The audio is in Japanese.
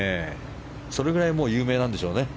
それぐらい有名なんでしょうね。